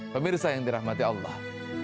pemirsa yang dirahmati allah